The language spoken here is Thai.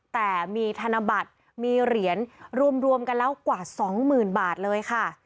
แต่มีธนบัตรมีเหรียญรวมกันแล้วกว่า๒๐๐๐บาทเลยค่ะ